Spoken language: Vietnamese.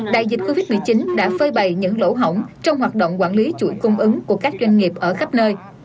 đại dịch covid một mươi chín đã phơi bày những lỗ hỏng trong hoạt động quản lý chuỗi cung ứng của các doanh nghiệp ở khắp nơi